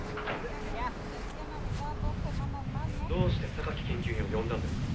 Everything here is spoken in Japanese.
「どうして榊研究員を呼んだんですか？」